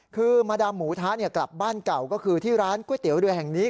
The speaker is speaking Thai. คือมาดามหมูทะกลับบ้านเก่าก็คือที่ร้านก๋วยเตี๋ยวเรือแห่งนี้